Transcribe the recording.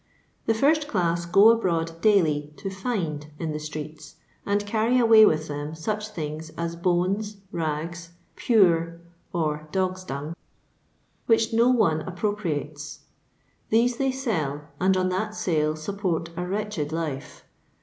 The fint daM go abroad daily to Jind in the ttreets, and carry away with them such thbgt aa bones, ragi, " pore " (or dqgf* dung), which no one appropriate!. These they sell, and on that sale support a wretched life.